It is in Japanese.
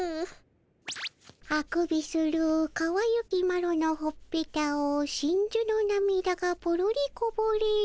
「あくびするかわゆきマロのほっぺたを真じゅのなみだがぽろりこぼれる」。